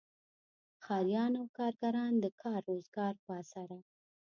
ښاریان او کارګران د کار روزګار په اسره.